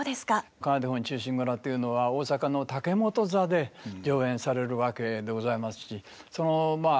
「仮名手本忠臣蔵」というのは大坂の竹本座で上演されるわけでございますしまあ